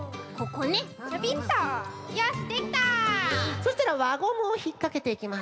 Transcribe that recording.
そしたらわゴムをひっかけていきます。